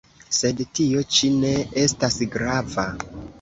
Sed tio ĉi ne estas grava.